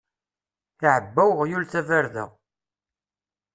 Iɛebba uɣyul tabarda.